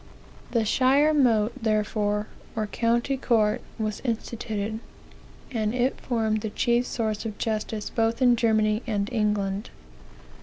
The shyre mote, therefore, or county court, was instituted; and it formed the chief source of justice both in Germany and England.